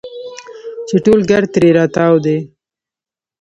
چې ټول ګرد ترې راتاو دي.